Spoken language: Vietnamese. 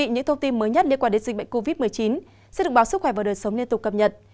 những thông tin mới nhất liên quan đến dịch bệnh covid một mươi chín sẽ được báo sức khỏe và đời sống liên tục cập nhật